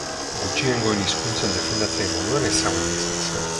Gutxiengoen hizkuntzen defendatzaile moduan ezaguna izan zen.